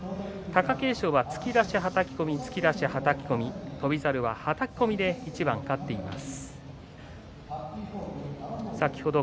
貴景勝は突き出し、はたき込み翔猿ははたき込みで一番勝っています。